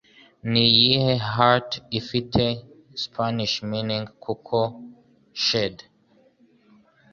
Ni iyihe Hat afite Spanish Meaning Kuko "Shade"?